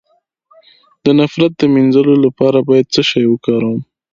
د نفرت د مینځلو لپاره باید څه شی وکاروم؟